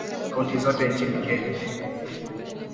Kaunti zote nchini Kenya